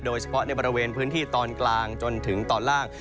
โดยเฉพาะในบริเวณพื้นที่ตอนกลางจนถึงตอนล่าง